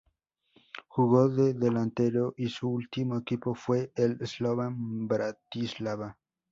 Jugó de delantero y su último equipo fue el Slovan Bratislava.